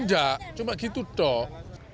nggak cuma gitu dong